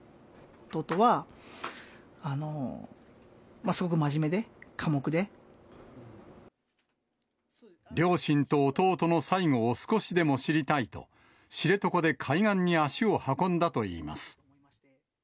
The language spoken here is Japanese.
弟はすごく真面目で、両親と弟の最期を少しでも知りたいと、知床で海岸に足を運んだといいます。